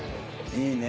いいね！